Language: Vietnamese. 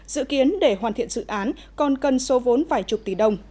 dự kiến để hoàn thiện dự án còn cần số vốn vài chục tỷ đồng